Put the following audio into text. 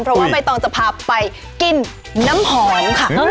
เพราะว่าใบตองจะพาไปกินน้ำหอมค่ะ